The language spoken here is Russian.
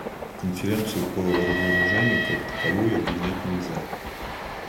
Конференцию по разоружению как таковую обвинять нельзя.